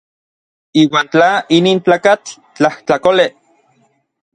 Iuan tla inin tlakatl tlajtlakolej.